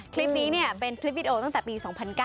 คลิปนี้เป็นคลิปวิดีโอตั้งแต่ปี๒๐๐๙